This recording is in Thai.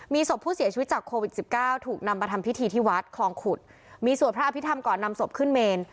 มีศพผู้เสียชีวิตจากโควิดสิบเก้าถูกนำมาทำพิธีที่วัดคลองขุดมีสวดพระอภิษฐรรมก่อนนำศพขึ้นเมน